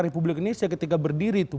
republik indonesia ketika berdiri itu